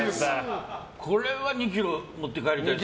これは２ｋｇ持って帰りたい。